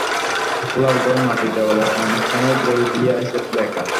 খোলার ঘর, মাটির দেওয়ালের নানাস্থানে খড়ি দিয়া হিসাব লেখা।